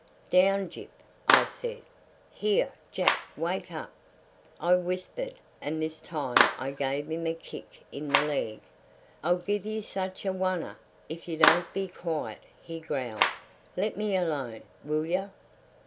"Down, Gyp!" I said. "Here, Jack; wake up!" I whispered, and this time I gave him a kick in the leg. "I'll give you such a wunner, if you don't be quiet!" he growled. "Let me alone, will yer!"